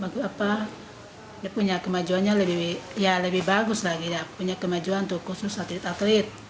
dia punya kemajuannya lebih ya lebih bagus lagi ya punya kemajuan tuh khusus atlet atlet